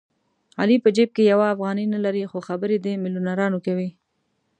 علي په جېب کې یوه افغانۍ نه لري خو خبرې د مېلیونرانو کوي.